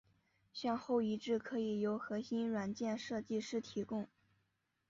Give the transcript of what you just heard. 向后移植可以由核心软件设计师提供。